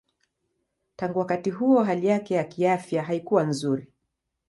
Tangu wakati huo hali yake ya kiafya haikuwa nzuri.